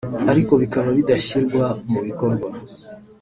ariko bikaba bidashyirwa mu bikorwa